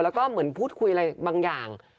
แล้วก็เหมือนพูดคุยอะไรบางอย่าง